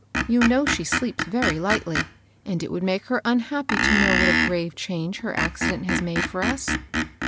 You know she sleeps very lightly, and it would make her unhappy to know what a grave change her accident has made for us.''